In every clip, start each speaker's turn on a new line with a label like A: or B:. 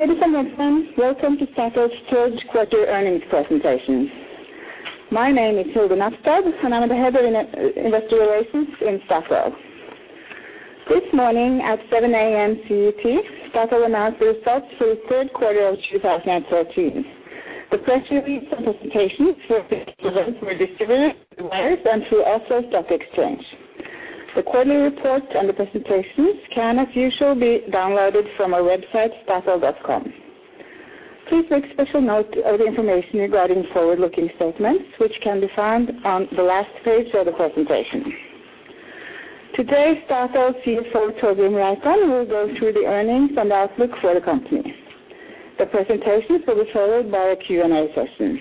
A: Ladies and gentlemen, welcome to Equinor's third quarter earnings presentation. My name is Hilde Møllerstad, and I'm the head of Investor Relations in Equinor. This morning at 7 A.M. CET, Equinor announced the results for the third quarter of 2014. The press release and presentations for this event were distributed through wires and through Oslo Stock Exchange. The quarterly report and the presentations can, as usual, be downloaded from our website, equinor.com. Please make special note of the information regarding forward-looking statements, which can be found on the last page of the presentation. Today, Equinor's CFO, Torgrim Reitan, will go through the earnings and outlook for the company. The presentation will be followed by a Q&A session.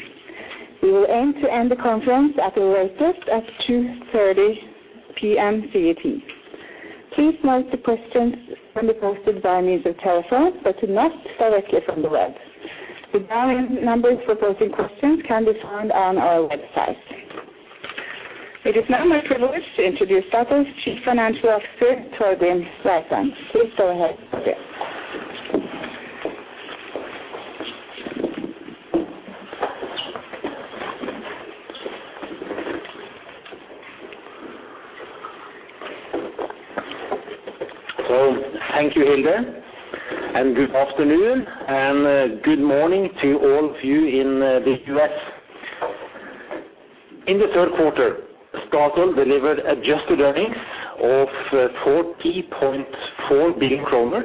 A: We will aim to end the conference at the latest at 2:30 P.M. CET. Please note the questions can be posted by means of telephone, but not directly from the web. The dial-in numbers for posting questions can be found on our website. It is now my privilege to introduce Equinor's Chief Financial Officer, Torgrim Reitan. Please go ahead, Tor.
B: Thank you, Hilde, and good afternoon, and good morning to all of you in the US. In the third quarter, Statoil delivered adjusted earnings of 40.4 billion kroner.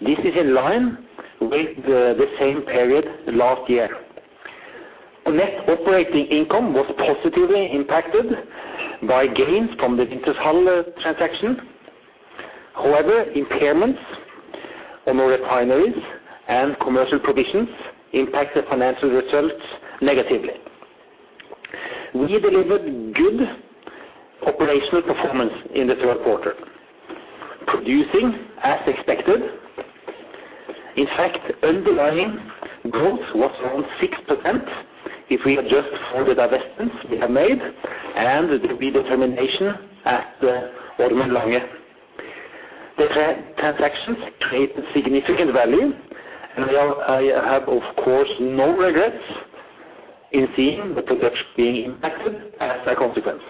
B: This is in line with the same period last year. The net operating income was positively impacted by gains from the Wintershall transaction. However, impairments on our refineries and commercial provisions impacted financial results negatively. We delivered good operational performance in the third quarter, producing as expected. In fact, underlying growth was around 6% if we adjust for the divestments we have made and the redetermination at Ormen Lange. The transactions created significant value, and I have, of course, no regrets in seeing the production being impacted as a consequence.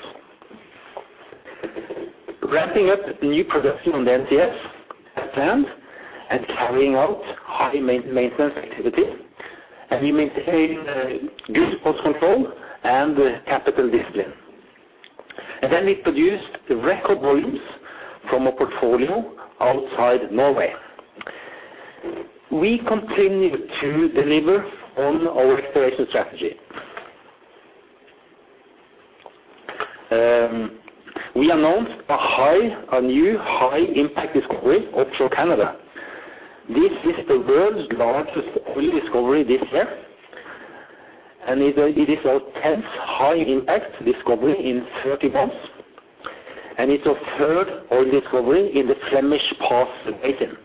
B: Ramping up new production on the NCS as planned and carrying out high maintenance activity, and we maintained good cost control and capital discipline. We produced record volumes from a portfolio outside Norway. We continued to deliver on our exploration strategy. We announced a new high-impact discovery offshore Canada. This is the world's largest oil discovery this year, and it is our 10th high-impact discovery in 30 months, and it's our third oil discovery in the Flemish Pass Basin.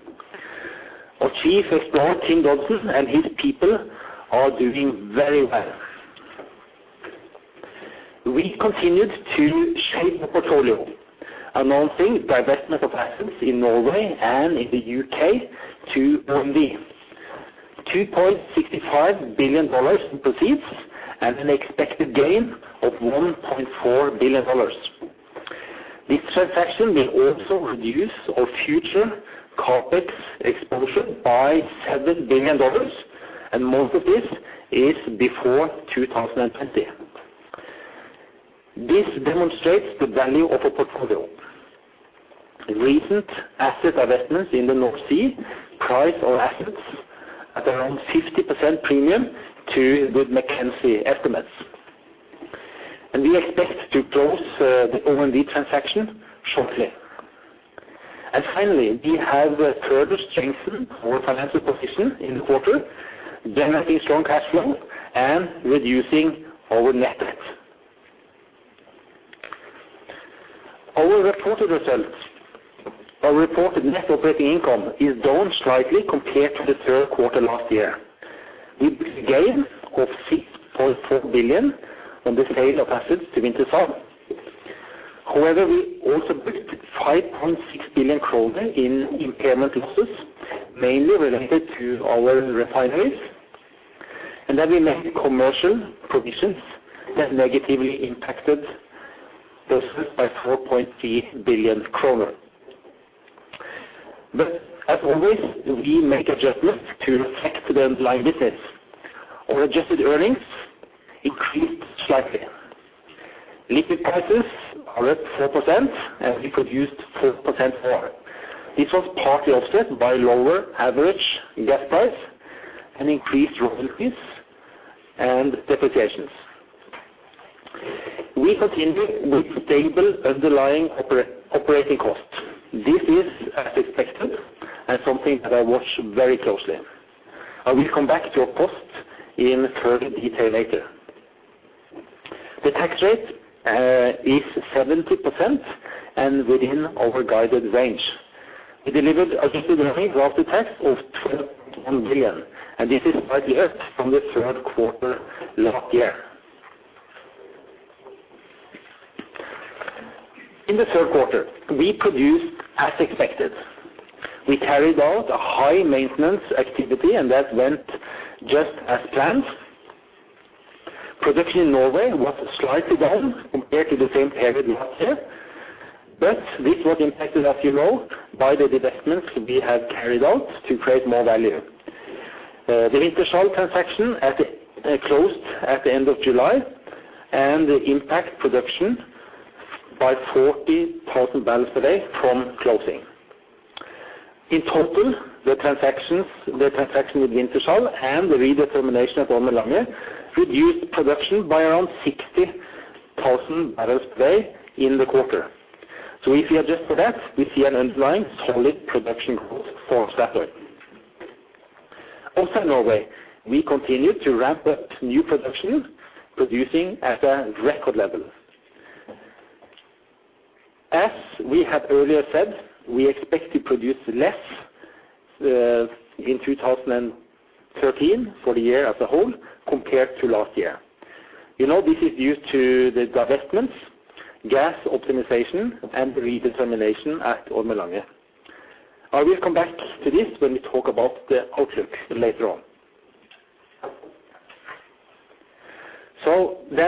B: Our chief explorer, Tim Dodson, and his people are doing very well. We continued to shape the portfolio, announcing divestment of assets in Norway and in the U.K. to OMV. $2.65 billion in proceeds and an expected gain of $1.4 billion. This transaction will also reduce our future CapEx exposure by $7 billion, and most of this is before 2020. This demonstrates the value of our portfolio. Recent asset divestments in the North Sea priced our assets at around 50% premium to Wood Mackenzie estimates. We expect to close the OMV transaction shortly. Finally, we have further strengthened our financial position in the quarter, generating strong cash flow and reducing our net debt. Our reported results. Our reported net operating income is down slightly compared to the third quarter last year. We booked a gain of 6.4 billion on the sale of assets to Wintershall. However, we also booked 5.6 billion kroner in impairment losses, mainly related to our refineries. Then we made commercial provisions that negatively impacted the group by 4.3 billion kroner. As always, we make adjustments to reflect the underlying business. Our adjusted earnings increased slightly. Liquid prices are up 4%, and we produced 4% more. This was partly offset by lower average gas price and increased royalties and depreciations. We continued with stable underlying operating costs. This is as expected and something that I watch very closely. I will come back to our costs in further detail later. The tax rate is 70% and within our guided range. We delivered adjusted earnings after tax of 12.1 billion, and this is quite up from the third quarter last year. In the third quarter, we produced as expected. We carried out a high maintenance activity, and that went just as planned. Production in Norway was slightly down compared to the same period last year, but this was impacted, as you know, by the divestments we have carried out to create more value. The Wintershall transaction closed at the end of July and impacts production by 40,000 barrels per day from closing. In total, the transactions, the transaction with Wintershall and the redetermination of Ormen Lange reduced production by around 60,000 barrels per day in the quarter. If you adjust for that, we see an underlying solid production growth for Statoil. Outside Norway, we continue to ramp up new production, producing at a record level. As we have earlier said, we expect to produce less in 2013 for the year as a whole compared to last year. You know, this is due to the divestments, gas optimization, and redetermination at Ormen Lange. I will come back to this when we talk about the outlook later on.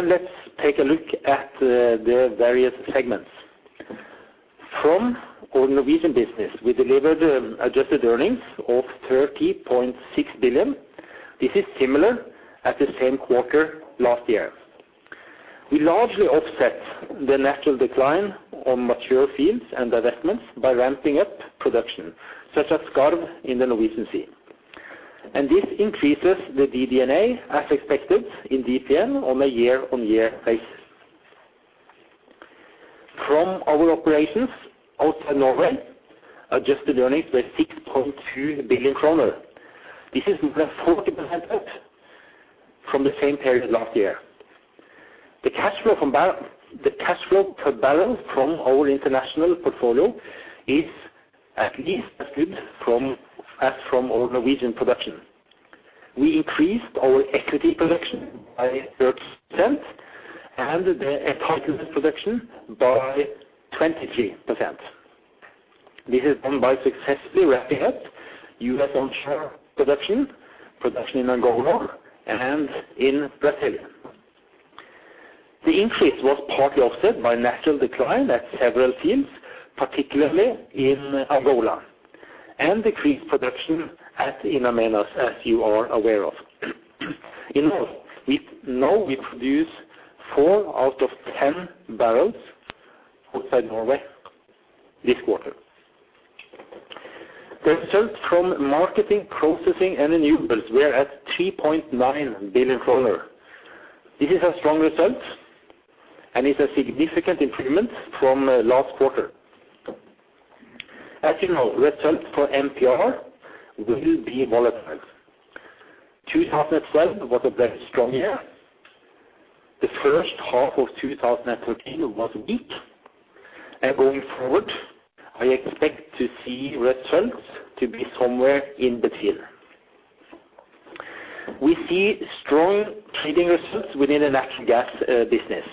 B: Let's take a look at the various segments. From our Norwegian business, we delivered adjusted earnings of 30.6 billion. This is similar at the same quarter last year. We largely offset the natural decline on mature fields and divestments by ramping up production, such as Skarv in the Norwegian Sea. This increases the DD&A, as expected, in DPN on a year-on-year basis. From our operations outside Norway, adjusted earnings were 6.2 billion kroner. This is 40% up from the same period last year. The cash flow per barrel from our international portfolio is at least as good from, as from our Norwegian production. We increased our equity production by 13% and the entitlement production by 23%. This is done by successfully ramping up U.S. onshore production in Angola, and in Brazil. The increase was partly offset by natural decline at several fields, particularly in Angola, and decreased production at In Amenas, as you are aware of. In all, we know we produce four out of ten barrels outside Norway this quarter. The results from marketing, processing, and renewables were at 3.9 billion kroner. This is a strong result, and it's a significant improvement from last quarter. As you know, results for MPR will be volatile. 2012 was a very strong year. The first half of 2013 was weak. Going forward, I expect to see results to be somewhere in between. We see strong trading results within the natural gas business.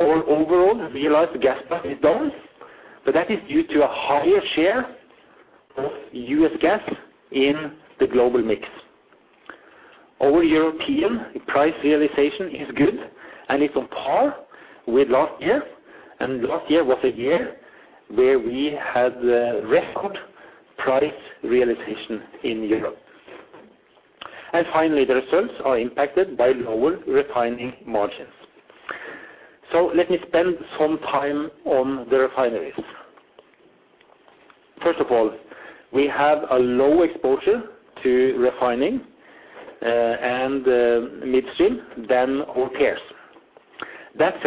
B: Our overall realized gas price is down, but that is due to a higher share of US gas in the global mix. Our European price realization is good, and it's on par with last year, and last year was a year where we had a record price realization in Europe. Finally, the results are impacted by lower refining margins. Let me spend some time on the refineries. First of all, we have a low exposure to refining and midstream than our peers. That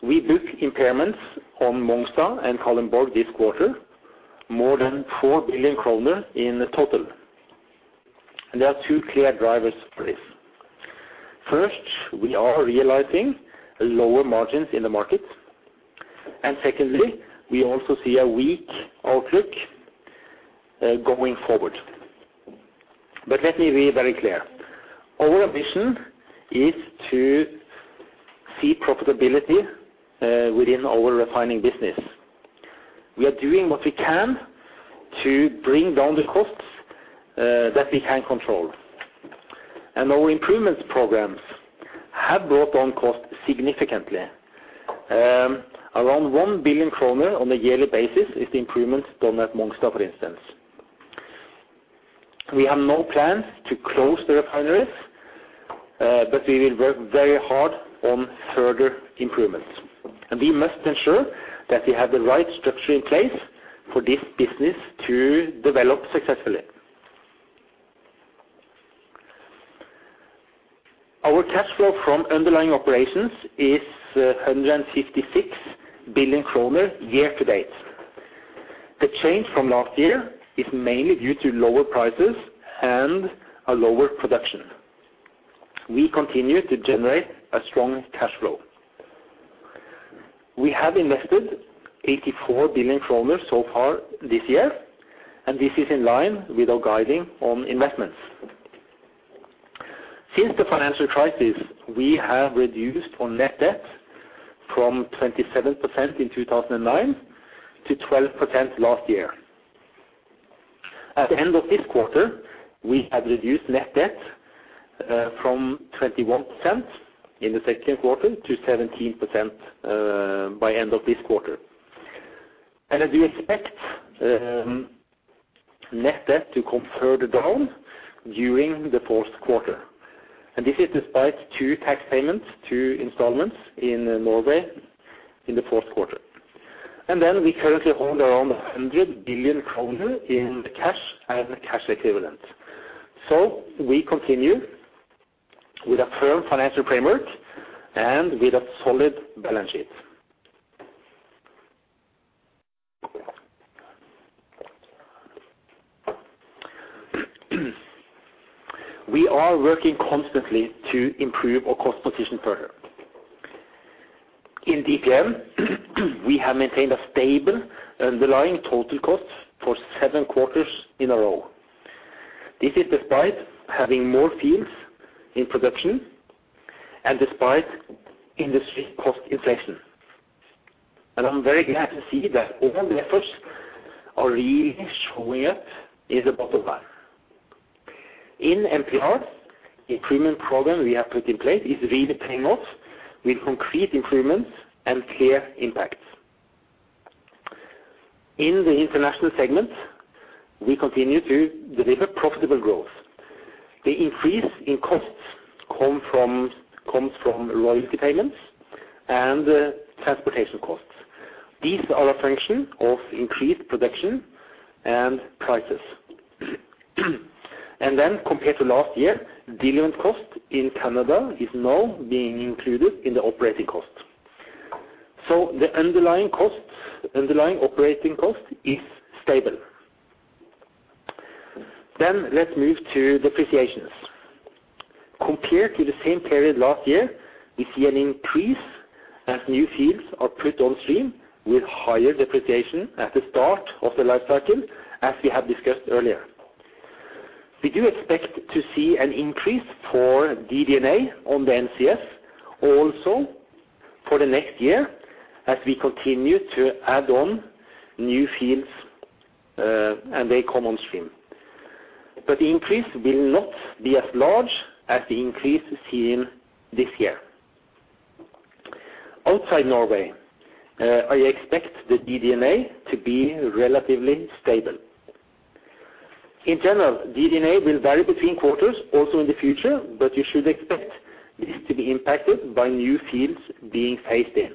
B: said, we book impairments on Mongstad and Kalundborg this quarter, more than 4 billion kroner in total. There are two clear drivers for this. First, we are realizing lower margins in the market. Secondly, we also see a weak outlook going forward. Let me be very clear. Our ambition is to see profitability within our refining business. We are doing what we can to bring down the costs that we can control. Our improvements programs have brought down costs significantly. Around 1 billion kroner on a yearly basis is the improvements done at Mongstad, for instance. We have no plans to close the refineries, but we will work very hard on further improvements. We must ensure that we have the right structure in place for this business to develop successfully. Our cash flow from underlying operations is 156 billion kroner year to date. The change from last year is mainly due to lower prices and a lower production. We continue to generate a strong cash flow. We have invested 84 billion kroner so far this year, and this is in line with our guidance on investments. Since the financial crisis, we have reduced our net debt from 27% in 2009 to 12% last year. At the end of this quarter, we have reduced net debt from 21% in the second quarter to 17% by end of this quarter. As we expect net debt to come further down during the fourth quarter, and this is despite two tax payments, two installments in Norway in the fourth quarter. We currently hold around 100 billion kroner in the cash and cash equivalents. We continue with a firm financial framework and with a solid balance sheet. We are working constantly to improve our cost position further. In DPN, we have maintained a stable underlying total cost for seven quarters in a row. This is despite having more fields in production and despite industry cost inflation. I'm very glad to see that all the efforts are really showing up in the bottom line. In MPR, improvement program we have put in place is really paying off with concrete improvements and clear impacts. In the international segment, we continue to deliver profitable growth. The increase in costs comes from royalty payments and transportation costs. These are a function of increased production and prices. Compared to last year, diluent cost in Canada is now being included in the operating cost. The underlying costs, underlying operating cost is stable. Let's move to depreciation. Compared to the same period last year, we see an increase as new fields are put on stream with higher depreciation at the start of the life cycle, as we have discussed earlier. We do expect to see an increase for DD&A on the NCS also for the next year, as we continue to add on new fields, and they come on stream. The increase will not be as large as the increase seen this year. Outside Norway, I expect the DD&A to be relatively stable. In general, DD&A will vary between quarters also in the future, but you should expect this to be impacted by new fields being phased in.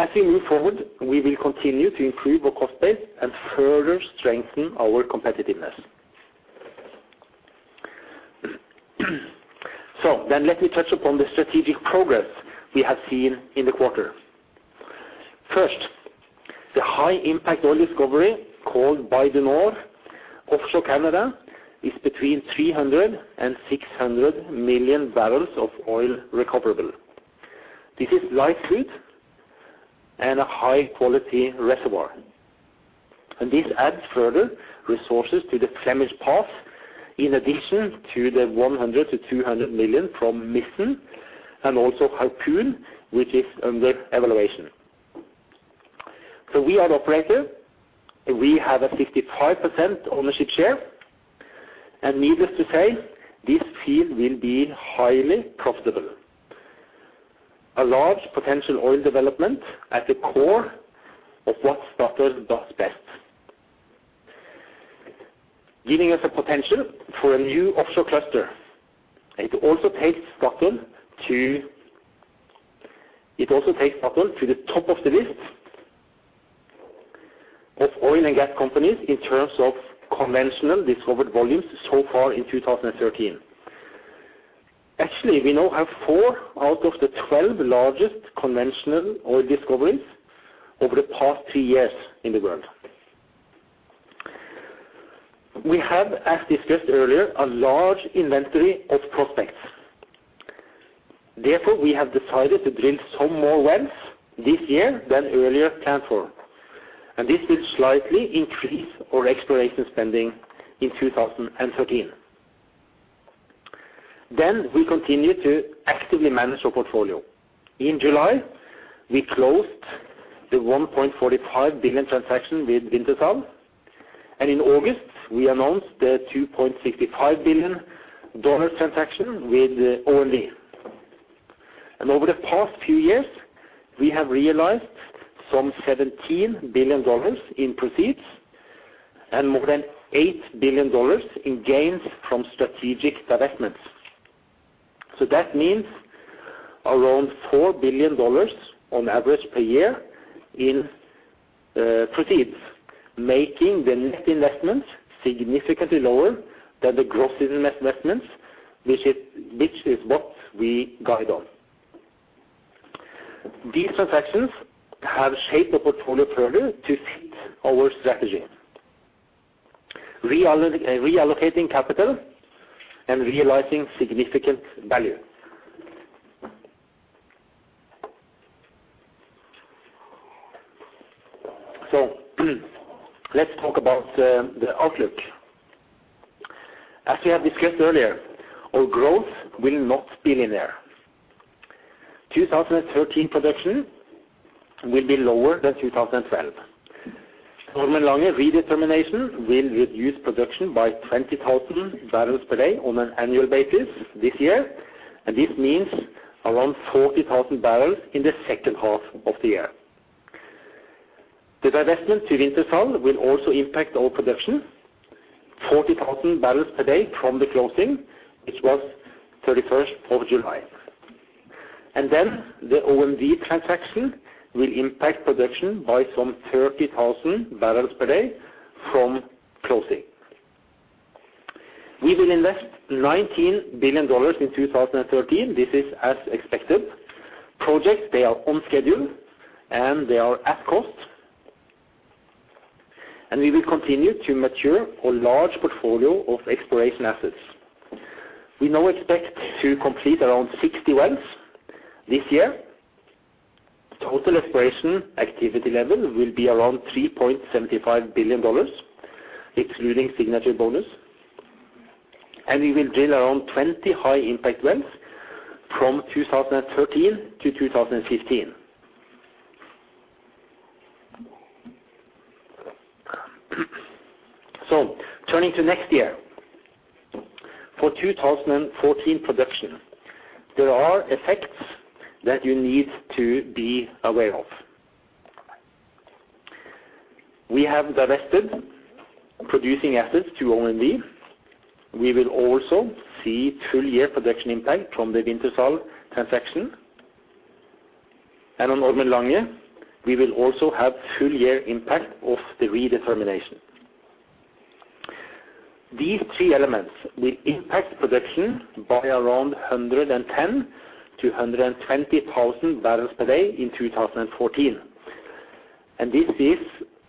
B: As we move forward, we will continue to improve our cost base and further strengthen our competitiveness. Let me touch upon the strategic progress we have seen in the quarter. First, the high-impact oil discovery called Bay du Nord, offshore Canada, is between 300 and 600 million barrels of oil recoverable. This is light sweet and a high-quality reservoir. This adds further resources to the Flemish Pass, in addition to the 100-200 million from Mizzen and also Harpoon, which is under evaluation. We are the operator. We have a 55% ownership share. Needless to say, this field will be highly profitable. A large potential oil development at the core of what Statoil does best. Giving us a potential for a new offshore cluster. It also takes Statoil to the top of the list of oil and gas companies in terms of conventional discovered volumes so far in 2013. Actually, we now have four out of the 12 largest conventional oil discoveries over the past three years in the world. We have, as discussed earlier, a large inventory of prospects. Therefore, we have decided to drill some more wells this year than earlier planned for, and this will slightly increase our exploration spending in 2013. We continue to actively manage our portfolio. In July, we closed the $1.45 billion transaction with Wintershall, and in August, we announced the $2.65 billion transaction with OMV. Over the past few years, we have realized some $17 billion in proceeds and more than $8 billion in gains from strategic divestments. That means around $4 billion on average per year in proceeds, making the net investments significantly lower than the gross investments, which is what we guide on. These transactions have shaped our portfolio further to fit our strategy, reallocating capital and realizing significant value. Let's talk about the outlook. As we have discussed earlier, our growth will not be linear. 2013 production will be lower than 2012. Ormen Lange redetermination will reduce production by 20,000 barrels per day on an annual basis this year, and this means around 40,000 barrels in the second half of the year. The divestment to Wintershall will also impact our production. 40,000 barrels per day from the closing, which was July 31. The OMV transaction will impact production by some 30,000 barrels per day from closing. We will invest $19 billion in 2013. This is as expected. Projects, they are on schedule, and they are at cost. We will continue to mature our large portfolio of exploration assets. We now expect to complete around 60 wells this year. Total exploration activity level will be around $3.75 billion, excluding signature bonus. We will drill around 20 high-impact wells from 2013 to 2015. Turning to next year. For 2014 production, there are effects that you need to be aware of. We have divested producing assets to OMV. We will also see full-year production impact from the Wintershall transaction. On Ormen Lange, we will also have full-year impact of the redetermination. These three elements will impact production by around 110,000-120,000 barrels per day in 2014, and this is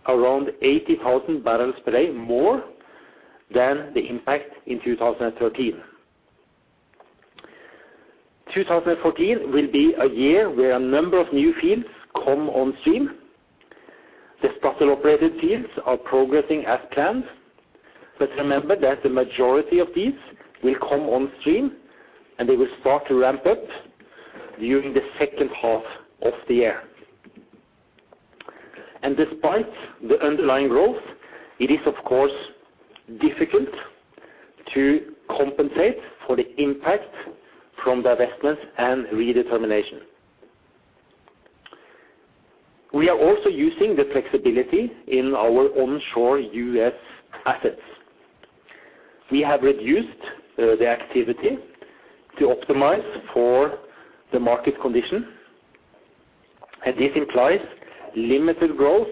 B: around 80,000 barrels per day more than the impact in 2013. 2014 will be a year where a number of new fields come on stream. The Statoil-operated fields are progressing as planned. Remember that the majority of these will come on stream, and they will start to ramp up during the second half of the year. Despite the underlying growth, it is of course difficult to compensate for the impact from divestment and redetermination. We are also using the flexibility in our onshore U.S. assets. We have reduced the activity to optimize for the market condition. This implies limited growth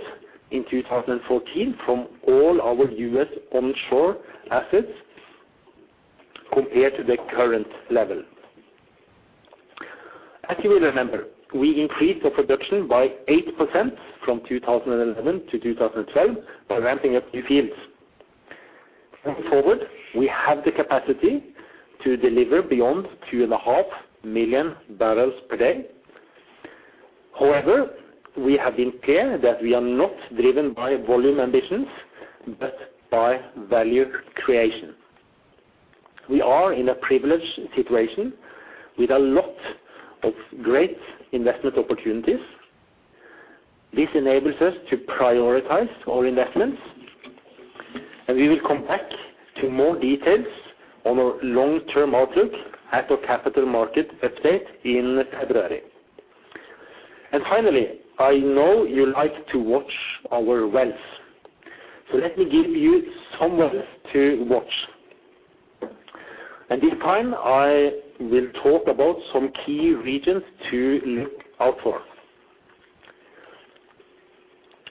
B: in 2014 from all our U.S. onshore assets compared to the current level. As you will remember, we increased our production by 8% from 2011-2012 by ramping up new fields. Going forward, we have the capacity to deliver beyond 2.5 million barrels per day. However, we have been clear that we are not driven by volume ambitions, but by value creation. We are in a privileged situation with a lot of great investment opportunities. This enables us to prioritize our investments, and we will come back to more details on our long-term outlook at our capital market update in February. Finally, I know you like to watch our wells. Let me give you some wells to watch. This time, I will talk about some key regions to look out for.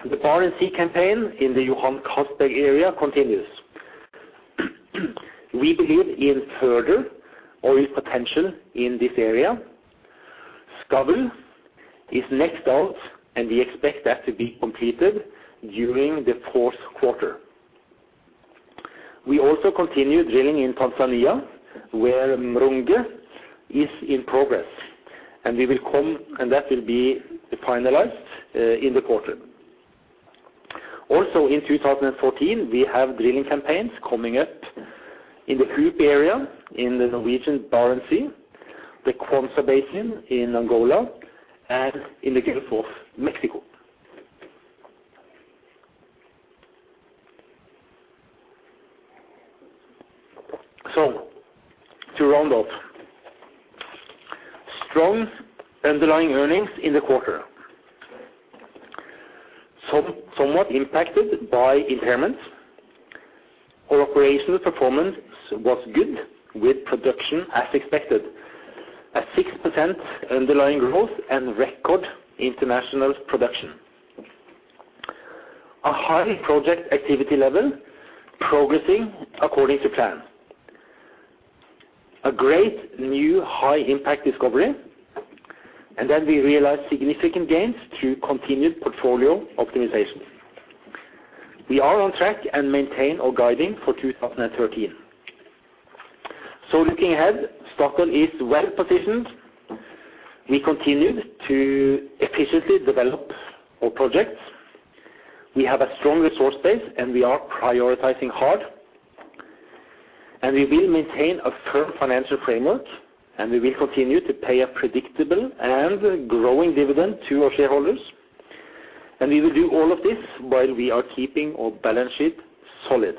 B: The Barents Sea campaign in the Johan Castberg area continues. We believe in further oil potential in this area. Skavl is next out, and we expect that to be completed during the fourth quarter. We also continue drilling in Tanzania, where Mronge is in progress, and we will commence, and that will be finalized in the quarter. Also in 2014, we have drilling campaigns coming up in the Hoop area in the Norwegian Barents Sea, the Kwanza Basin in Angola, and in the Gulf of Mexico. To round off. Strong underlying earnings in the quarter. Somewhat impacted by impairments. Our operational performance was good with production as expected. A 6% underlying growth and record international production. A high project activity level progressing according to plan. A great new high impact discovery. We realized significant gains through continued portfolio optimization. We are on track and maintain our guiding for 2013. Looking ahead, Statoil is well positioned. We continue to efficiently develop our projects. We have a strong resource base, and we are prioritizing hard. We will maintain a firm financial framework, and we will continue to pay a predictable and growing dividend to our shareholders. We will do all of this while we are keeping our balance sheet solid.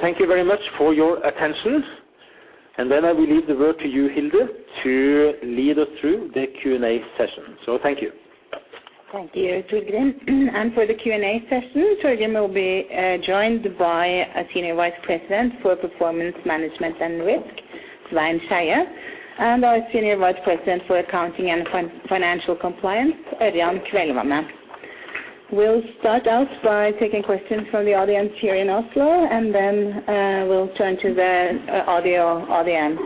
B: Thank you very much for your attention, and then I will leave the floor to you, Hilde, to lead us through the Q&A session. Thank you.
A: Thank you, Torgrim. For the Q&A session, Torgrim will be joined by our Senior Vice President for Performance Management and Risk, Svein Skeie, and our Senior Vice President for Accounting and Financial Compliance, Ørjan Kvelvane. We'll start out by taking questions from the audience here in Oslo, and then we'll turn to the audio audience.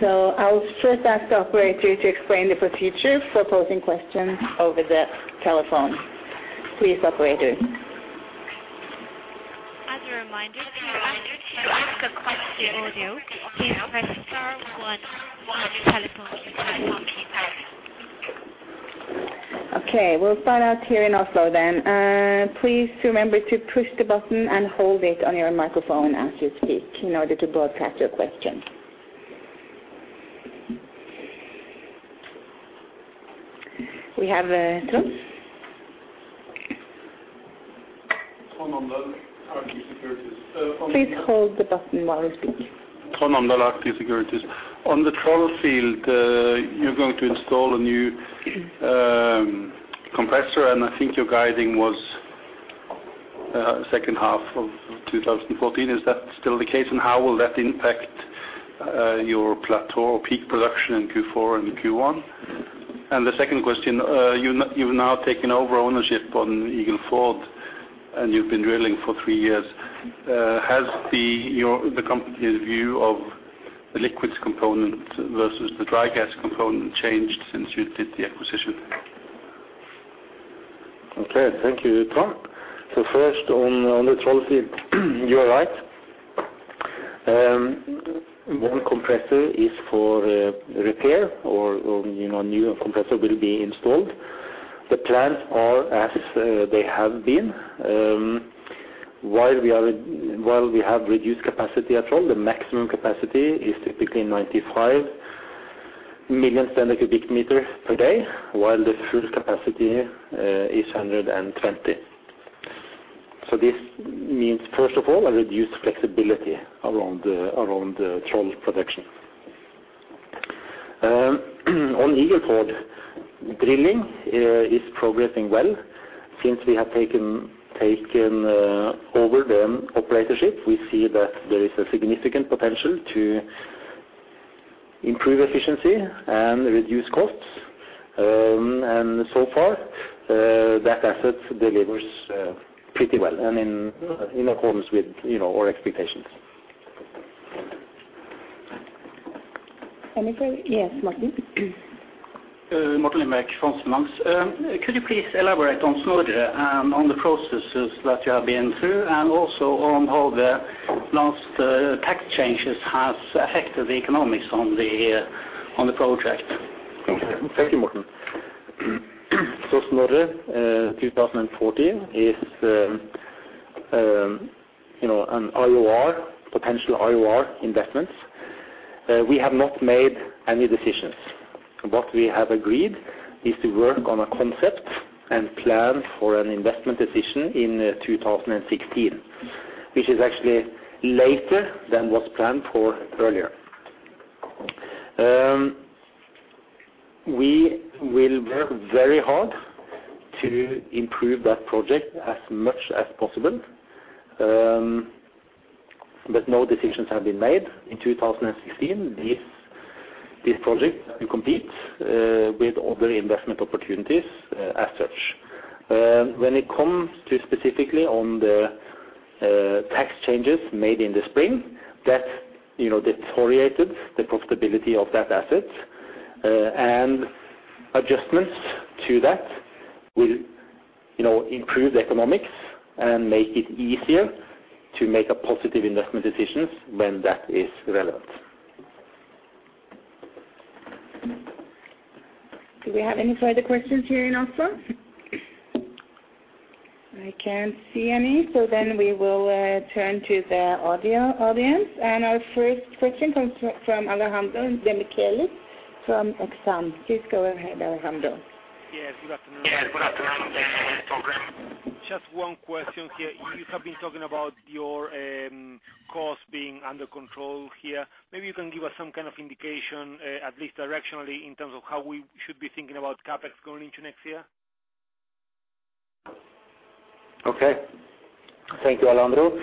A: I'll first ask the operator to explain the procedure for posing questions over the telephone. Please, operator.
C: As a reminder, to unmute and ask a question via audio, please press star-one on your telephone's keypad.
A: Okay, we'll start out here in Oslo then. Please remember to push the button and hold it on your microphone as you speak in order to broadcast your question. We have, Trond.
D: Trond Omdal, Arctic Securities.
A: Please hold the button while you speak.
D: Trond Omdal, Arctic Securities. On the Troll field, you're going to install a new compressor, and I think your guidance was second half of 2014. Is that still the case? How will that impact your plateau or peak production in Q4 and Q1? The second question, you've now taken over ownership in Eagle Ford, and you've been drilling for three years. Has the company's view of the liquids component versus the dry gas component changed since you did the acquisition?
B: Okay, thank you, Trond. First, on the Troll field, you are right. One compressor is for repair or, you know, new compressor will be installed. The plans are as they have been. While we have reduced capacity at Troll, the maximum capacity is typically 95 million standard cubic meter per day, while the full capacity is 120. This means, first of all, a reduced flexibility around Troll production. On Eagle Ford, drilling is progressing well. Since we have taken over the operatorship, we see that there is a significant potential to improve efficiency and reduce costs. And so far, that asset delivers pretty well and in accordance with, you know, our expectations.
A: Any more? Yes, Morten.
E: Morten Lindbæck, Fondsfinans. Could you please elaborate on Snorre and on the processes that you have been through and also on how the last tax changes has affected the economics on the project? Thank you.
B: Thank you, Morten. Snorre, 2014 is, you know, an IOR, potential IOR investments. We have not made any decisions. What we have agreed is to work on a concept and plan for an investment decision in 2016, which is actually later than was planned for earlier. We will work very hard to improve that project as much as possible. No decisions have been made. In 2016, this project will compete with other investment opportunities, as such. When it comes to specifically on the tax changes made in the spring, that, you know, deteriorated the profitability of that asset. Adjustments to that will, you know, improve the economics and make it easier to make a positive investment decisions when that is relevant.
A: Do we have any further questions here in Oslo? I can't see any, so then we will turn to the audio audience. Our first question comes from Alejandro Demichelis from Exane. Please go ahead, Alejandro.
F: Yes, good afternoon. Just one question here. You have been talking about your costs being under control here. Maybe you can give us some kind of indication, at least directionally, in terms of how we should be thinking about CapEx going into next year.
B: Okay. Thank you, Alejandro.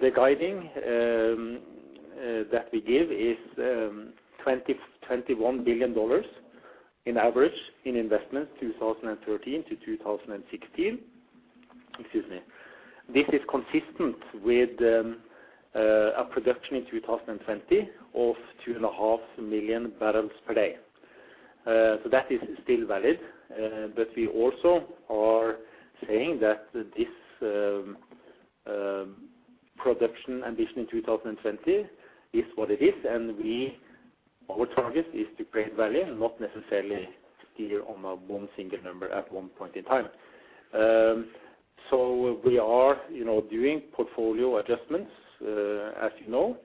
B: The guidance that we give is $21 billion on average investment 2013-2016. Excuse me. This is consistent with a production in 2020 of 2.5 million barrels per day. That is still valid. But we also are saying that this production ambition in 2020 is what it is. Our target is to create value and not necessarily steer on one single number at one point in time. We are, you know, doing portfolio adjustments, as you know.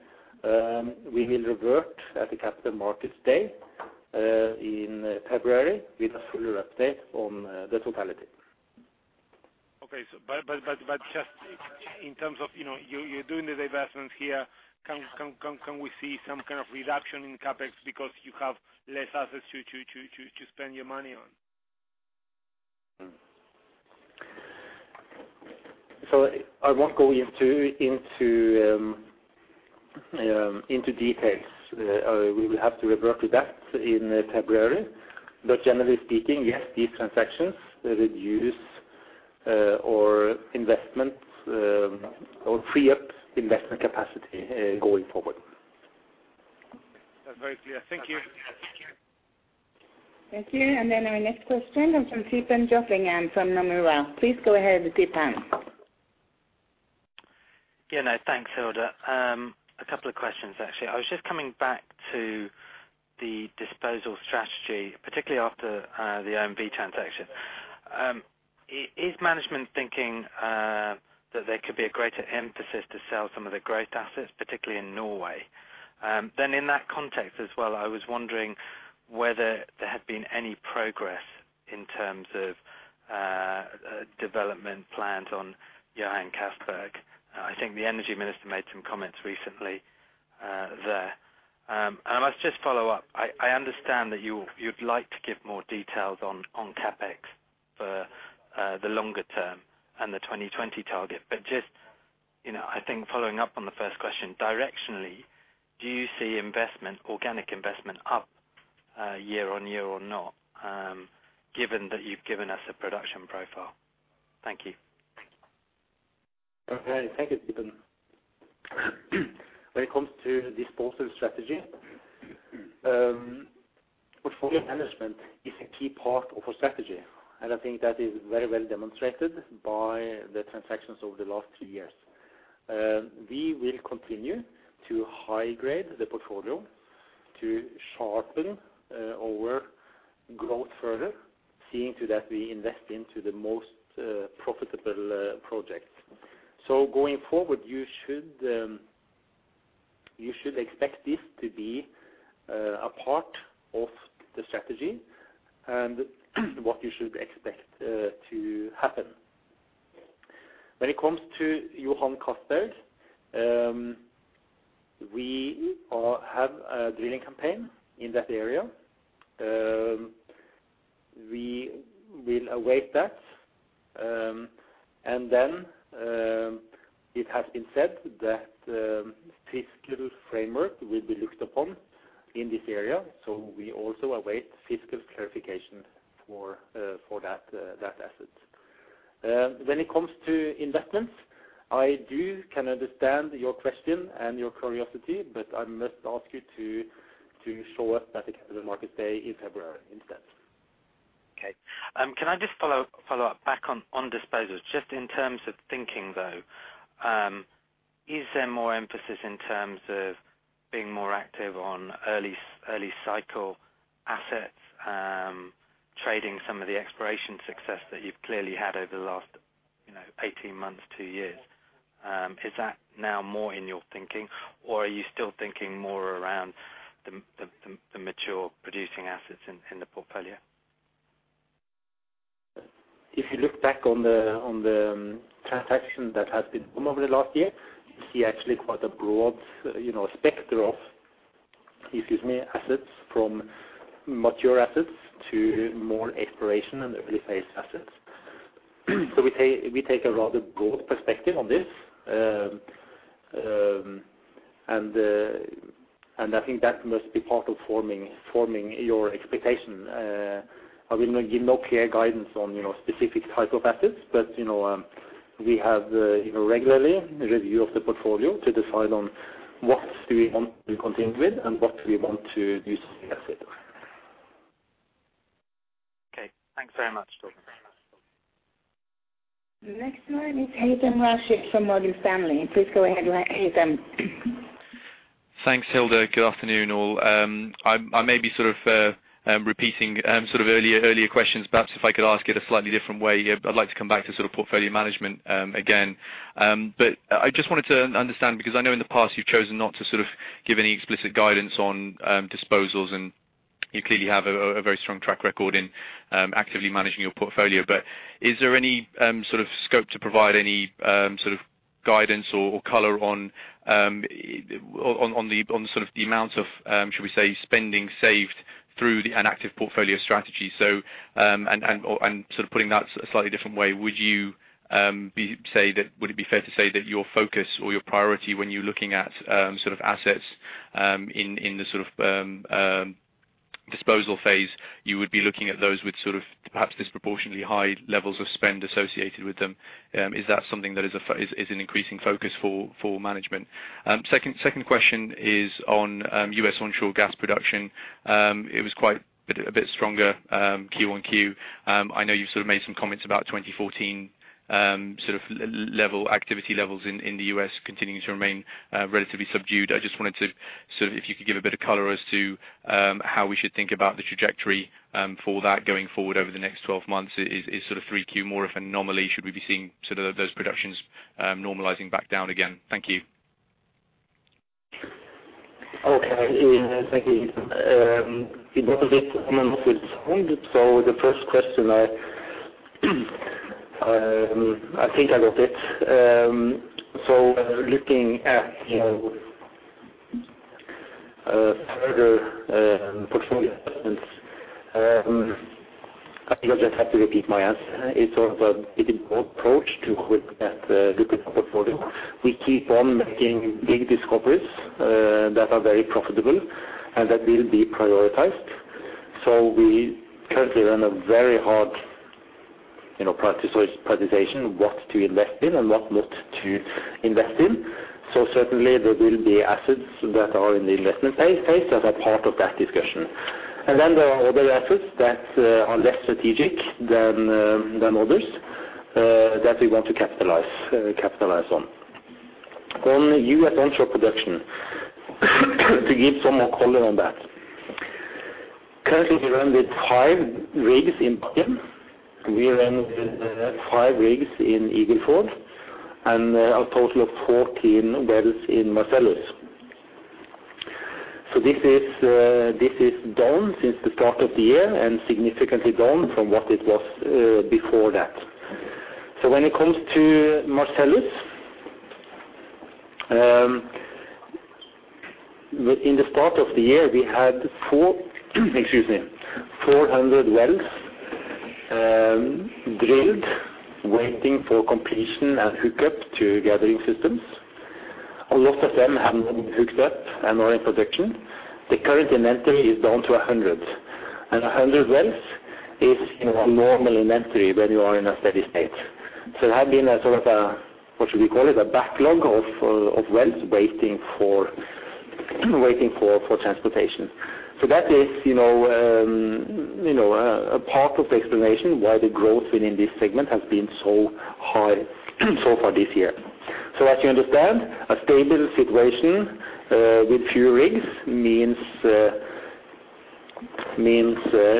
B: We will revert at the Capital Markets Day in February with a fuller update on the totality.
F: Okay. Just in terms of, you know, you're doing the divestments here, can we see some kind of reduction in CapEx because you have less assets to spend your money on?
B: I won't go into details. We will have to revert to that in February. Generally speaking, yes, these transactions reduce our investment or free up investment capacity going forward.
F: That's very clear. Thank you.
A: Thank you. Our next question comes from Theepan Jothilingam from Nomura. Please go ahead, Theepan.
G: Yeah, no, thanks, Hilde. A couple of questions, actually. I was just coming back to the disposal strategy, particularly after the OMV transaction. Is management thinking that there could be a greater emphasis to sell some of the growth assets, particularly in Norway? Then in that context as well, I was wondering whether there had been any progress in terms of development plans on Johan Castberg. I think the Energy Minister made some comments recently there. And I must just follow up. I understand that you'd like to give more details on CapEx for the longer term and the 2020 target. But just, you know, I think following up on the first question, directionally, do you see investment, organic investment up year-over-year or not, given that you've given us a production profile? Thank you.
B: Okay. Thank you, Theepan. When it comes to disposal strategy, portfolio management is a key part of our strategy, and I think that is very well demonstrated by the transactions over the last three years. We will continue to high grade the portfolio to sharpen our growth further, seeing to that we invest into the most profitable projects. Going forward, you should expect this to be a part of the strategy and what you should expect to happen. When it comes to Johan Castberg, we have a drilling campaign in that area. We will await that. It has been said that fiscal framework will be looked upon in this area. We also await fiscal clarification for that asset. When it comes to investments, I can understand your question and your curiosity, but I must ask you to show up at the Capital Markets Day in February instead.
G: Okay. Can I just follow up back on disposals? Just in terms of thinking, though, is there more emphasis in terms of being more active on early cycle assets, trading some of the exploration success that you've clearly had over the last, you know, 18 months, 2 years? Is that now more in your thinking, or are you still thinking more around the mature producing assets in the portfolio?
B: If you look back on the transaction that has been done over the last year, you see actually quite a broad, you know, spectrum of, excuse me, assets, from mature assets to more exploration and early-phase assets. We take a rather broad perspective on this. I think that must be part of forming your expectation. I will give no clear guidance on, you know, specific type of assets, but, you know, we have regularly review of the portfolio to decide on what do we want to continue with and what we want to do something else with.
G: Okay. Thanks very much, Torgrim.
A: The next one is Haytham Rashed from Morgan Stanley. Please go ahead, Haytham.
H: Thanks, Hilde. Good afternoon, all. I may be sort of repeating sort of earlier questions. Perhaps if I could ask it a slightly different way. I'd like to come back to sort of portfolio management again. But I just wanted to understand, because I know in the past you've chosen not to sort of give any explicit guidance on disposals, and you clearly have a very strong track record in actively managing your portfolio. But is there any sort of scope to provide any sort of guidance or color on the sort of amount of, should we say, spending saved through the inactive portfolio strategy? Putting that in a slightly different way, would it be fair to say that your focus or your priority when you're looking at sort of assets in the sort of Disposal phase, you would be looking at those with sort of perhaps disproportionately high levels of spend associated with them. Is that something that is an increasing focus for management? Second question is on U.S. onshore gas production. It was quite a bit stronger Q-on-Q. I know you've sort of made some comments about 2014, sort of low-level activity levels in the U.S. continuing to remain relatively subdued. I just wanted to sort of if you could give a bit of color as to how we should think about the trajectory for that going forward over the next 12 months. Is sort of 3Q more of an anomaly? Should we be seeing sort of those productions normalizing back down again? Thank you.
B: Okay. Yeah, thank you. The first question, I think I got it. Looking at, you know, further, portfolio assets, I think I'll just have to repeat my answer. It's sort of a bit approach to looking at portfolio. We keep on making big discoveries that are very profitable and that will be prioritized. We currently run a very hard, you know, prioritization, what to invest in and what not to invest in. Certainly there will be assets that are in the investment phase that are part of that discussion. Then there are other assets that are less strategic than others that we want to capitalize on. On US onshore production, to give some more color on that. Currently, we run with five rigs in Bakken. We run with five rigs in Eagle Ford and a total of 14 wells in Marcellus. This is down since the start of the year and significantly down from what it was before that. When it comes to Marcellus, in the start of the year, we had 400 wells, drilled, waiting for completion and hookup to gathering systems. A lot of them have now been hooked up and are in production. The current inventory is down to 100, and 100 wells is, you know, a normal inventory when you are in a steady state. There have been a sort of, what should we call it, a backlog of wells waiting for transportation. That is a part of the explanation why the growth within this segment has been so high so far this year. As you understand, a stable situation with few rigs means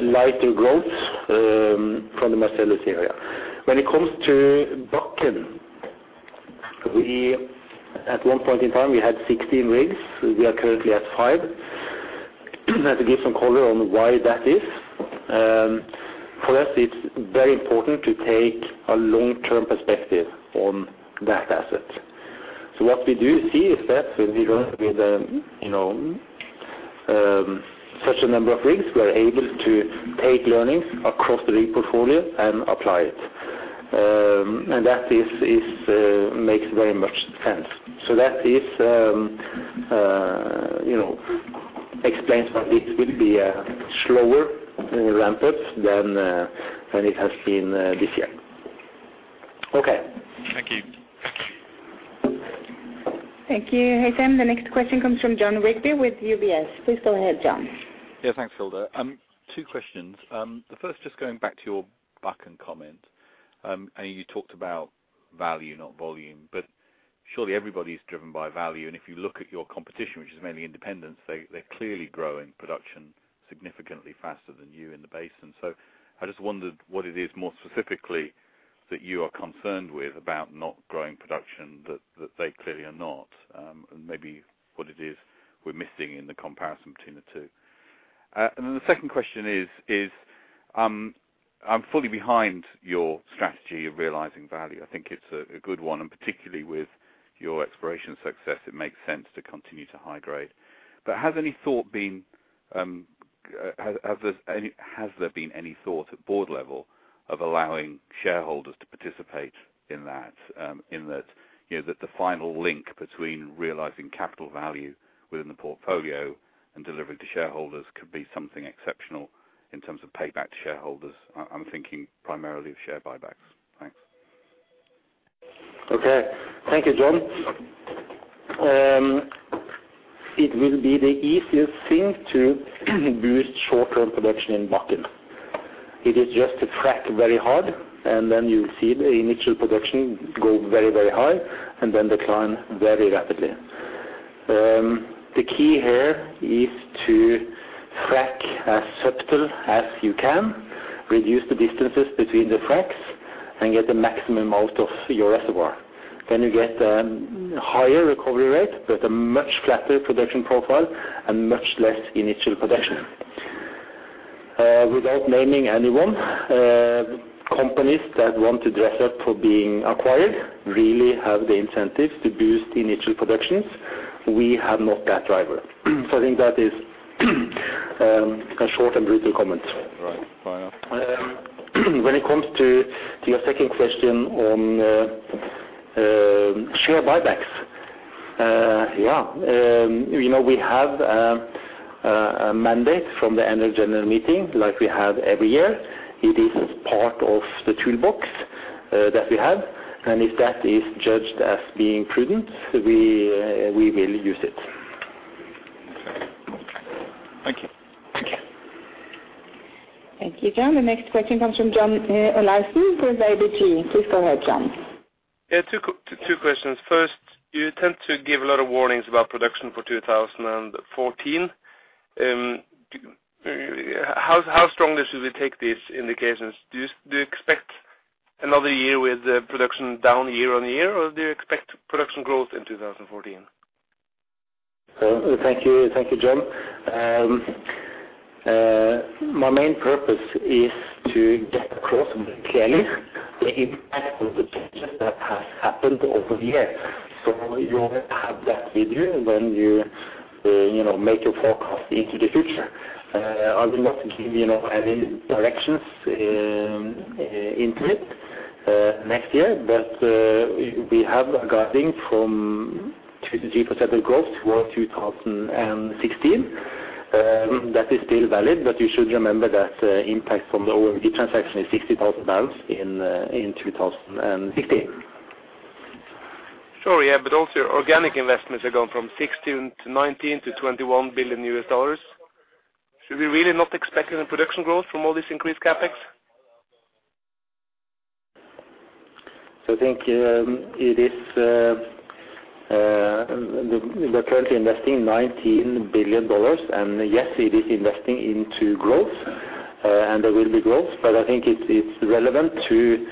B: lighter growth from the Marcellus area. When it comes to Bakken, at one point in time, we had 16 rigs. We are currently at 5. To give some color on why that is, for us, it's very important to take a long-term perspective on that asset. What we do see is that when we run with such a number of rigs, we are able to take learnings across the rig portfolio and apply it. That makes very much sense. That is, you know, explains why it will be a slower ramp up than it has been this year. Okay.
H: Thank you.
A: Thank you, Haytham. The next question comes from Jon Rigby with UBS. Please go ahead, Jon.
I: Yeah, thanks, Hilde. Two questions. The first, just going back to your Bakken comment, you talked about value, not volume, but surely everybody's driven by value. If you look at your competition, which is mainly independents, they're clearly growing production significantly faster than you in the basin. I just wondered what it is more specifically that you are concerned with about not growing production that they clearly are not, and maybe what it is we're missing in the comparison between the two. Then the second question is, I'm fully behind your strategy of realizing value. I think it's a good one, and particularly with your exploration success, it makes sense to continue to high-grade. Has there been any thought at board level of allowing shareholders to participate in that, you know, that the final link between realizing capital value within the portfolio and delivering to shareholders could be something exceptional in terms of payback to shareholders? I'm thinking primarily of share buybacks. Thanks.
B: Okay. Thank you, Jon. It will be the easiest thing to boost short-term production in Bakken. It is just to frack very hard, and then you'll see the initial production go very, very high and then decline very rapidly. The key here is to frack as subtle as you can, reduce the distances between the fracks, and get the maximum out of your reservoir. You get higher recovery rate with a much flatter production profile and much less initial production. Without naming anyone, companies that want to dress up for being acquired really have the incentive to boost initial productions. We have not that driver. I think that is a short and brutal comment.
I: Right.
B: When it comes to your second question on share buybacks. Yeah. You know, we have a mandate from the annual general meeting like we have every year. It is part of the toolbox that we have, and if that is judged as being prudent, we will use it.
J: Thank you.
B: Thank you.
A: Thank you, John. The next question comes from John Olaisen with ABG. Please go ahead, John.
J: Yeah, two questions. First, you tend to give a lot of warnings about production for 2014. How strongly should we take these indications? Do you expect another year with production down year on year, or do you expect production growth in 2014?
B: Thank you. Thank you, John. My main purpose is to get across clearly the impact of the changes that have happened over the years. You have that with you when you know, make your forecast into the future. I will not give, you know, any directions into it next year. We have a guiding from 2%-3% growth toward 2016. That is still valid, but you should remember that impact from the OMV transaction is 60,000 barrels in 2016.
J: Sure. Yeah, also your organic investments have gone from $16 billion-$19 billion-$21 billion. Should we really not expect any production growth from all this increased CapEx?
B: I think it is we are currently investing $19 billion, and yes, it is investing into growth, and there will be growth. I think it's relevant to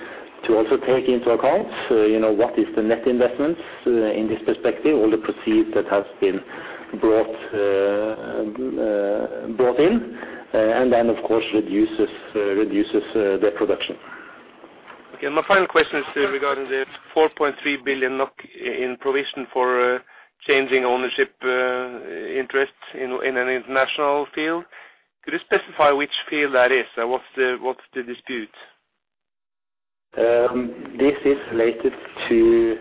B: also take into account, you know, what is the net investments in this perspective, all the proceeds that has been brought in, and then of course reduces their production.
J: Okay. My final question is regarding the 4.3 billion NOK in provision for changing ownership interests in an international field. Could you specify which field that is? What's the dispute?
B: This is related to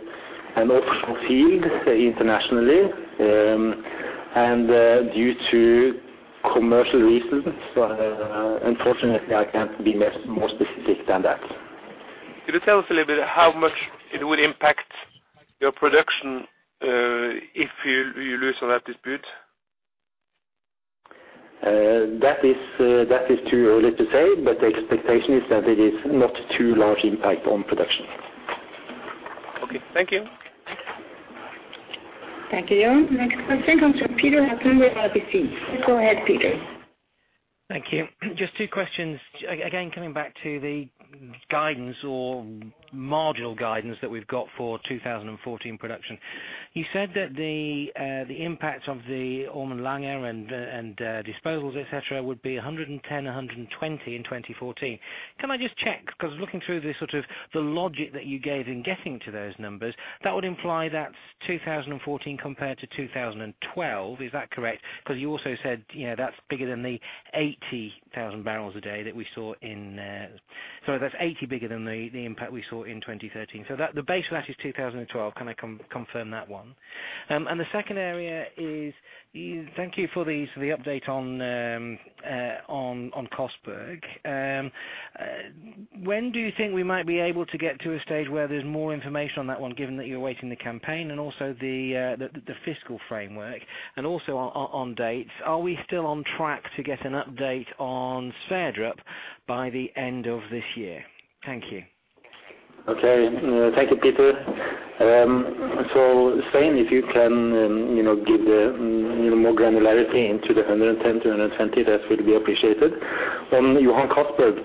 B: an offshore field internationally, due to commercial reasons, unfortunately I can't be more specific than that.
J: Could you tell us a little bit how much it would impact your production, if you lose on that dispute?
B: That is too early to say, but the expectation is that it is not too large impact on production.
J: Okay. Thank you.
B: Thanks.
A: Thank you. Next question comes from Peter Hutton at RBC. Go ahead, Peter.
K: Thank you. Just two questions. Again, coming back to the guidance or marginal guidance that we've got for 2014 production. You said that the impact of the Ormen Lange and disposals, et cetera, would be 110, 120 in 2014. Can I just check? 'Cause looking through the sort of the logic that you gave in getting to those numbers, that would imply that's 2014 compared to 2012. Is that correct? 'Cause you also said, you know, that's bigger than the 80,000 barrels a day that we saw in. Sorry, that's eighty bigger than the impact we saw in 2013. So that, the base of that is 2012. Can I confirm that one? Thank you for the update on Johan Castberg. When do you think we might be able to get to a stage where there's more information on that one, given that you're awaiting the campaign and also the fiscal framework and also on dates? Are we still on track to get an update on Johan Sverdrup by the end of this year? Thank you.
B: Okay. Thank you, Peter. Svein, if you can, you know, give the, you know, more granularity into the 110-120, that would be appreciated. On Johan Castberg,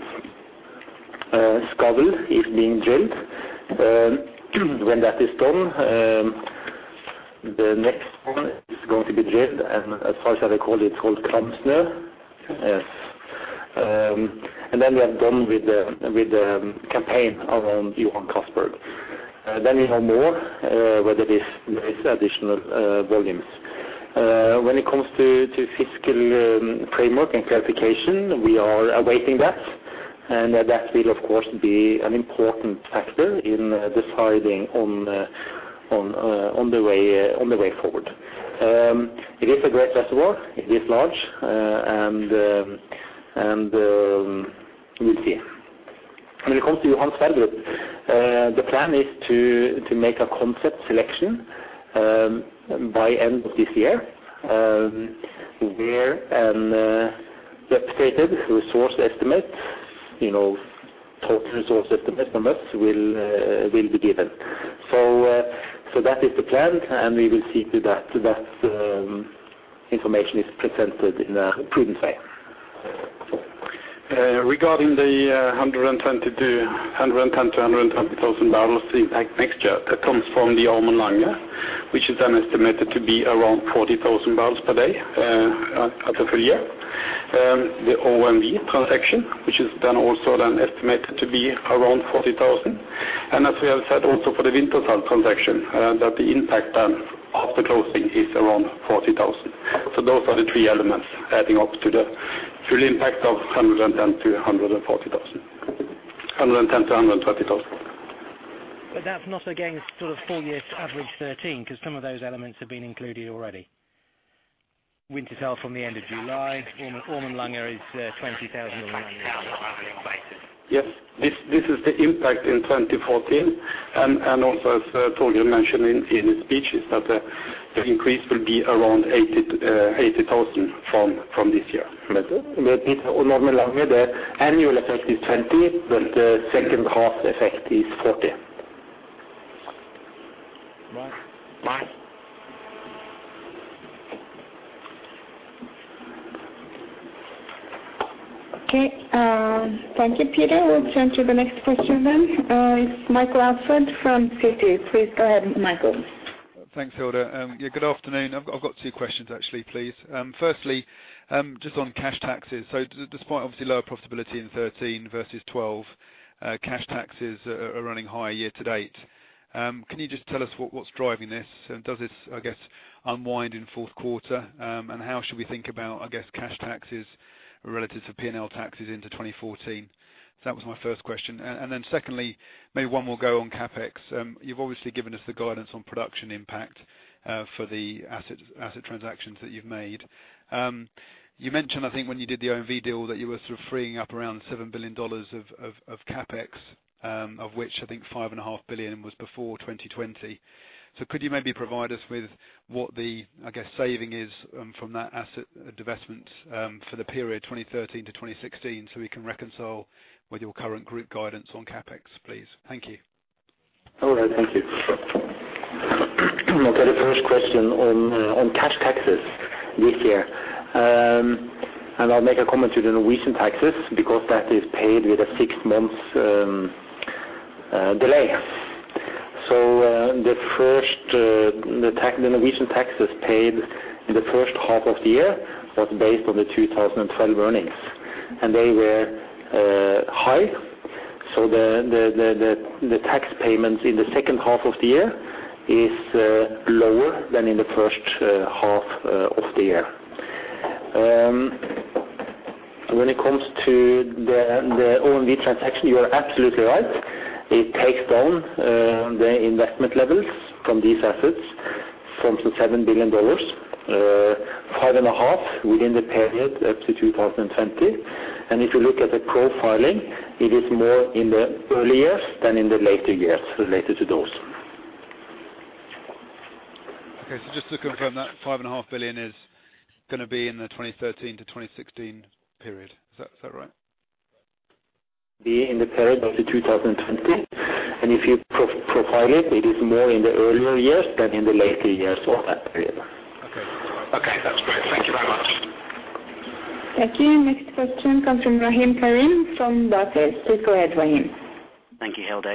B: Skavl is being drilled. When that is done, the next one is going to be drilled and as far as I recall, it's called Kramsnø. Then we are done with the campaign around Johan Castberg. Then we know more whether there is additional volumes. When it comes to fiscal framework and clarification, we are awaiting that, and that will of course be an important factor in deciding on the way forward. It is a great reservoir. It is large. We'll see. When it comes to Johan Sverdrup, the plan is to make a concept selection by end of this year, where an updated resource estimate, you know, total resource estimate from us will be given. That is the plan, and we will see to that information is presented in a prudent way.
D: Regarding the 110,000-120,000 barrels impact next year, that comes from the Ormen Lange, which is then estimated to be around 40,000 barrels per day at the full year. The OMV transaction, which is then also estimated to be around 40,000. As we have said also for the Wintershall transaction, that the impact then of the closing is around 40,000. Those are the three elements adding up to the full impact of 110,000-140,000.
B: 110-120 thousand.
K: That's not against sort of full year average 13, because some of those elements have been included already. Wintershall from the end of July, Ormen Lange is 20,000 and 90,000.
L: Yes. This is the impact in 2014. Also as Torgrim mentioned in his speech, is that the increase will be around 80,000 from this year.
M: With Ormen Lange, the annual effect is 20, but the second half effect is 40.
B: Right.
K: Right.
A: Okay. Thank you, Peter. We'll turn to the next question then. It's Michael Alsford from Citi. Please go ahead, Michael.
N: Thanks, Hilde. Yeah, good afternoon. I've got two questions actually, please. Firstly, just on cash taxes. Despite obviously lower profitability in 2013 versus 2012, cash taxes are running high year to date. Can you just tell us what's driving this? Does this, I guess, unwind in fourth quarter? How should we think about, I guess, cash taxes relative to P&L taxes into 2014? That was my first question. Then secondly, maybe one more go on CapEx. You've obviously given us the guidance on production impact for the asset transactions that you've made. You mentioned, I think when you did the OMV deal, that you were sort of freeing up around $7 billion of CapEx, of which I think $5.5 billion was before 2020. Could you maybe provide us with what the, I guess, saving is from that asset divestment for the period 2013-2016, so we can reconcile with your current group guidance on CapEx, please? Thank you.
M: All right, thank you.
B: Okay, the first question on cash taxes this year. I'll make a comment to the Norwegian taxes because that is paid with a six-month delay. The Norwegian taxes paid in the first half of the year was based on the 2012 earnings, and they were high. The tax payments in the second half of the year is lower than in the first half of the year. When it comes to the OMV transaction, you are absolutely right. It takes down the investment levels from these assets from the $7 billion-$5.5 billion within the period up to 2020. If you look at the profiling, it is more in the early years than in the later years related to those.
N: Okay. Just to confirm that 5.5 billion is gonna be in the 2013-2016 period. Is that right?
B: be in the period up to 2020. If you profile it is more in the earlier years than in the later years of that period.
N: Okay. Okay, that's great. Thank you very much.
A: Thank you. Next question comes from Rahim Karim from Barclays. Please go ahead, Rahim.
O: Thank you, Hilde.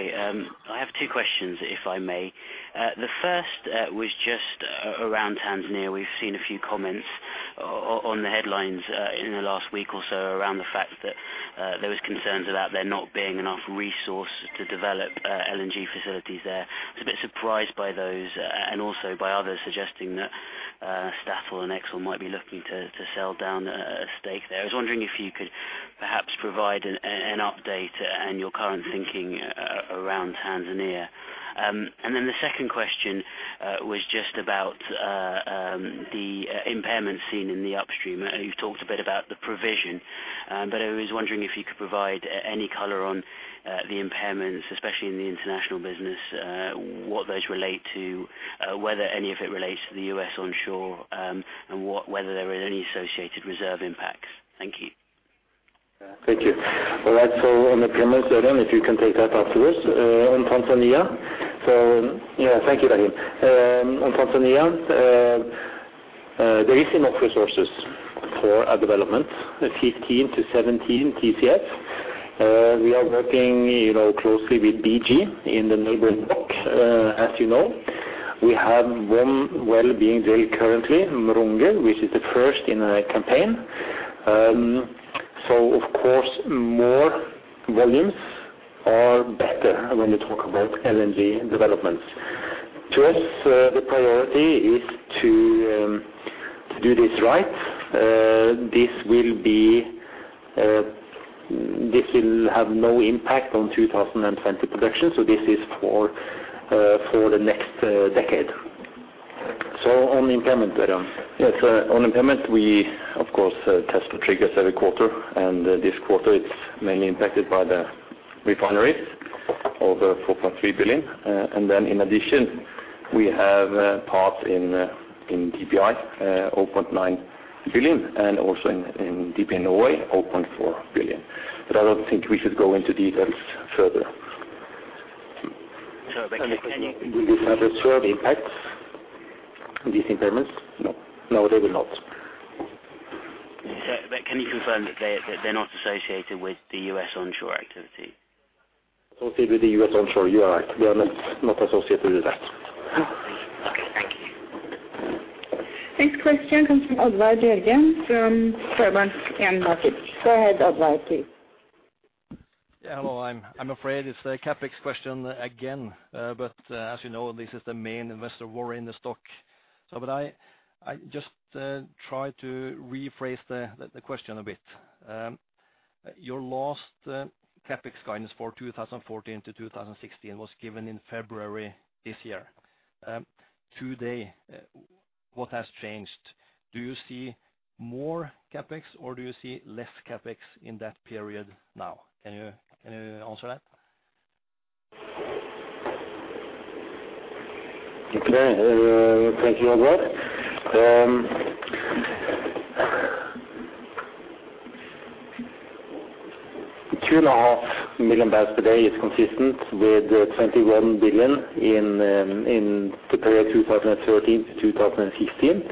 O: I have two questions, if I may. The first was just around Tanzania. We've seen a few comments on the headlines in the last week or so around the fact that there was concerns about there not being enough resource to develop LNG facilities there. I was a bit surprised by those, and also by others suggesting that Statoil and ExxonMobil might be looking to sell down a stake there. I was wondering if you could perhaps provide an update and your current thinking around Tanzania. And then the second question was just about the impairments seen in the upstream. You've talked a bit about the provision, but I was wondering if you could provide any color on the impairments, especially in the international business, what those relate to, whether any of it relates to the US onshore, and whether there are any associated reserve impacts. Thank you.
B: Thank you. All right. On impairments, Ørjan, if you can take that afterwards. On Tanzania, yeah, thank you, Rahim. On Tanzania, there is enough resources for a development of 15-17 TCF. We are working, you know, closely with BG in the neighboring block, as you know. We have one well being drilled currently, Mronge, which is the first in a campaign. Of course, more volumes are better when you talk about LNG developments. To us, the priority is to do this right. This will have no impact on 2020 production, so this is for the next decade. On impairment, Ørjan?
M: Yes. On impairment, we of course test the triggers every quarter, and this quarter it's mainly impacted by the refineries of 4.3 billion. In addition, we have a part in DPI, 0.9 billion, and also in DP Norway, 0.4 billion. I don't think we should go into details further.
O: Can you?
B: Will this have a share of impacts, these impairments?
M: No. No, they will not.
O: Can you confirm that they're not associated with the U.S. onshore activity?
B: Associated with the U.S. onshore, you are right. They are not associated with that.
O: Okay, thank you.
A: Next question comes from Oddvar Bjørgan from Sparebank. Go ahead, Oddvar, please.
P: Yeah. Hello. I'm afraid it's a CapEx question again. As you know, this is the main investor worry in the stock. I just try to rephrase the question a bit. Your last CapEx guidance for 2014 to 2016 was given in February this year. Today, what has changed? Do you see more CapEx or do you see less CapEx in that period now? Can you answer that?
B: Okay. Thank you, Oddvar. 2.5 million barrels per day is consistent with 21 billion in the period 2013 to 2015.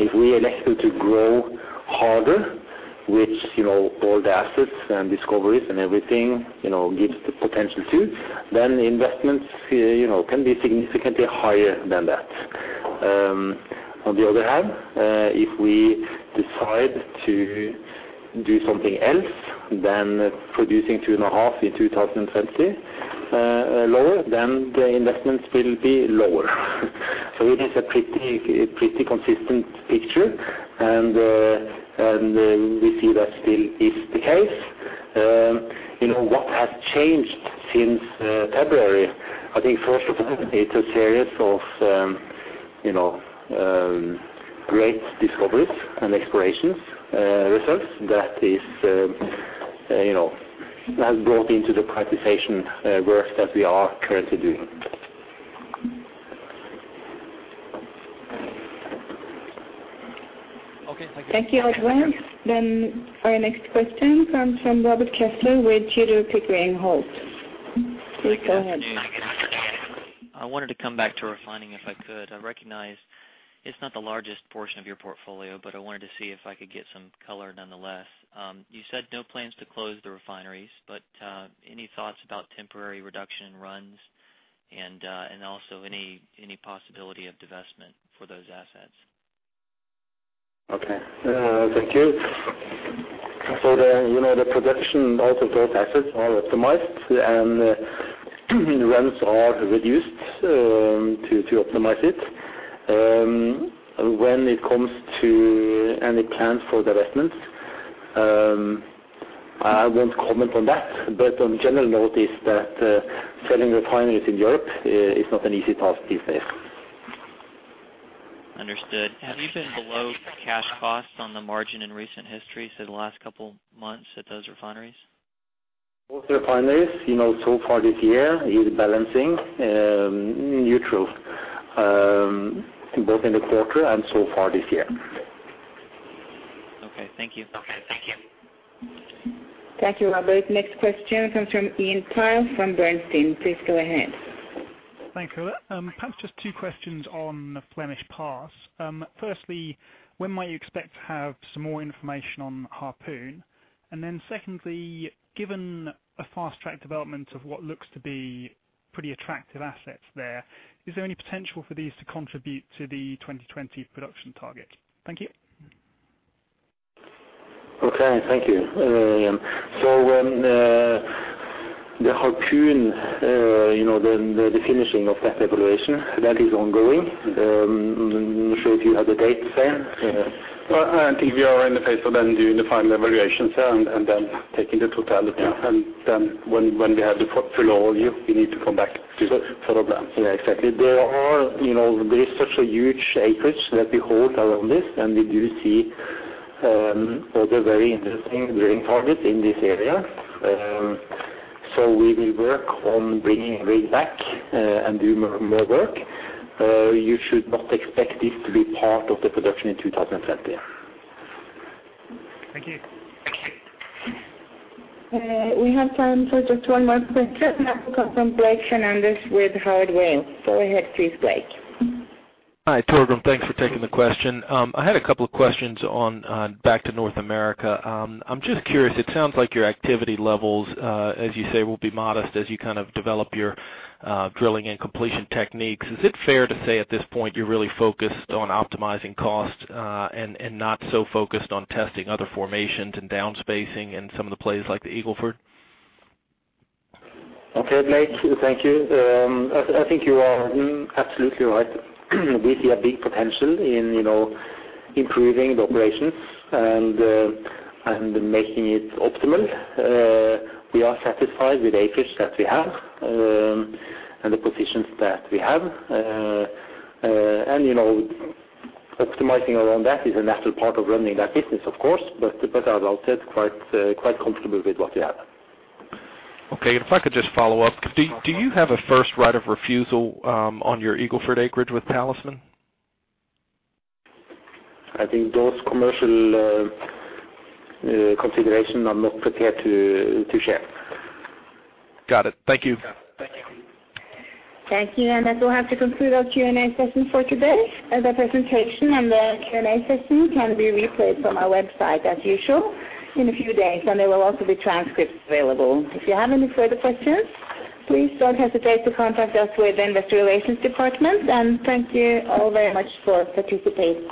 B: If we elected to grow harder, which, you know, all the assets and discoveries and everything, you know, gives the potential to, then investments, you know, can be significantly higher than that. On the other hand, if we decide to do something else than producing 2.5 in 2020, lower, then the investments will be lower. It is a pretty consistent picture. We see that still is the case. You know, what has changed since February, I think first of all, it's a series of you know great discoveries and explorations results that is you know has brought into the prioritization work that we are currently doing.
P: Okay, thank you.
A: Thank you, Oddvar. Then, Our next question comes from Robert Kessler with Tudor, Pickering & Holt. Please go ahead.
Q: Good afternoon. I wanted to come back to refining if I could. I recognize it's not the largest portion of your portfolio, but I wanted to see if I could get some color nonetheless. You said no plans to close the refineries, but any thoughts about temporary reduction in runs and also any possibility of divestment for those assets?
B: Okay. Thank you. The production of both assets are optimized and runs are reduced to optimize it. When it comes to any plans for divestments, I won't comment on that. On a general note that selling refineries in Europe is not an easy task these days.
Q: Understood. Have you been below cash costs on the margin in recent history, say the last couple months at those refineries?
B: Both refineries, you know, so far this year is balancing neutral, both in the quarter and so far this year.
Q: Okay, thank you.
A: Thank you, Robert. Next question comes from Iain Pyle from Bernstein. Please go ahead.
R: Thank you. Perhaps just two questions on Flemish Pass. Firstly, when might you expect to have some more information on Harpoon? And then secondly, given a fast-track development of what looks to be pretty attractive assets there, is there any potential for these to contribute to the 2020 production target? Thank you.
B: Okay, thank you, Ian. The Harpoon, you know, the finishing of that evaluation, that is ongoing. I'm not sure if you have the dates there.
R: Well, I think we are in the phase of then doing the final evaluations and then taking the totality.
B: Yeah.
R: When we have the portfolio review, we need to come back to.
B: Sure.
R: For updates.
B: Yeah, exactly. There are, you know, there is such a huge acreage that we hold around this, and we do see other very interesting drilling targets in this area. So we will work on bringing rig back, and do more work. You should not expect this to be part of the production in 2020.
R: Thank you.
A: We have time for just one more question. That will come from Blake Fernandez with Howard Weil. Go ahead please, Blake.
S: Hi, Torgrim. Thanks for taking the question. I had a couple of questions on back to North America. I'm just curious, it sounds like your activity levels, as you say, will be modest as you kind of develop your drilling and completion techniques. Is it fair to say at this point you're really focused on optimizing cost, and not so focused on testing other formations and downspacing in some of the plays like the Eagle Ford?
B: Okay, Blake, thank you. I think you are absolutely right. We see a big potential in, you know, improving the operations and making it optimal. We are satisfied with the acreage that we have and the positions that we have. You know, optimizing around that is a natural part of running that business, of course, but as I said, quite comfortable with what we have.
S: Okay. If I could just follow up. Do you have a first right of refusal on your Eagle Ford acreage with Talisman?
M: I think those commercial considerations. I'm not prepared to share.
S: Got it. Thank you.
A: Thank you. That will have to conclude our Q&A session for today. The presentation and the Q&A session can be replayed from our website as usual in a few days, and there will also be transcripts available. If you have any further questions, please don't hesitate to contact us with the Investor Relations department, and thank you all very much for participating.